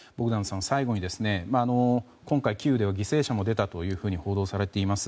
最後に今回キーウでは犠牲者も出たと報じられています。